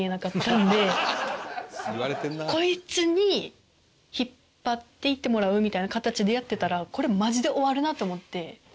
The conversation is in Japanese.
こいつに引っ張っていってもらうみたいな形でやってたらこれマジで終わるなと思って。